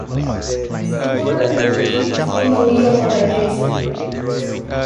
Similar emotions in the wheel are adjacent.